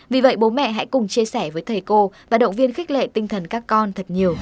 vì vậy bố mẹ hãy cùng chia sẻ với thầy cô và động viên khích lệ tinh thần các con thật nhiều